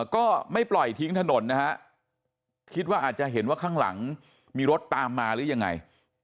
ก็ไม่ปล่อยทิ้งถนนนะฮะคิดว่าอาจจะเห็นว่าข้างหลังมีรถตามมาหรือยังไง